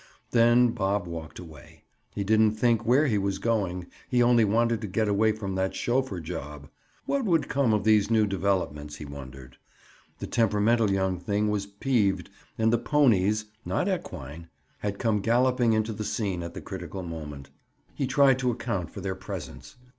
Then Bob walked away; he didn't think where he was going; he only wanted to get away from that chauffeur job. What would come of these new developments, he wondered? The temperamental young thing was "peeved," and the ponies (not equine) had come galloping into the scene at the critical moment. He tried to account for their presence.